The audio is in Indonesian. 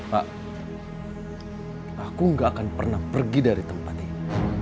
pak aku gak akan pernah pergi dari tempat ini